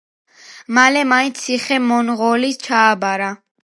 მალე მან ციხე მონღოლებს ჩააბარა.